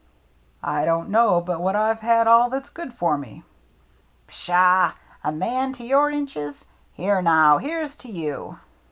" I don't know but what I've had all that's good for me." " Pshaw ! A man of your inches ? Here now, here's to you